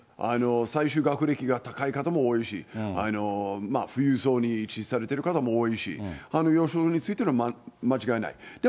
最終学歴が高い方も多いし、富裕層に位置されている方も多いし、ようしょうに就いているのは間違いない。